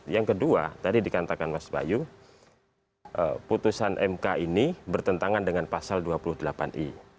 yang kedua tadi dikatakan mas bayu putusan mk ini bertentangan dengan pasal dua puluh delapan i